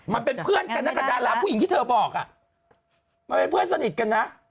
มันเป็นเพื่อนกันนะคะดาราผู้หญิงที่เธอบอกอ่ะมันเป็นเพื่อนสนิทกันนะ